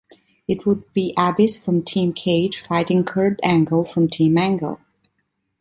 It would be Abyss from Team Cage fighting Kurt Angle from Team Angle.